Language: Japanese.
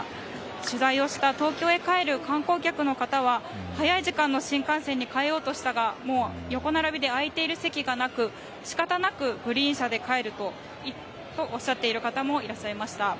取材をした東京へ帰る観光客の方は早い時間の新幹線に変えようとしたがもう横並びで空いている席がなく仕方がなくグリーン車で帰るとおっしゃっていた方もいらっしゃいました。